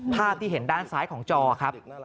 ภาพที่เห็นด้านซ้ายของจอครับ